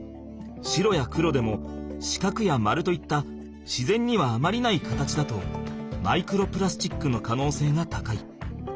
白や黒でも四角や丸といった自然にはあまりない形だとマイクロプラスチックの可能性が高い。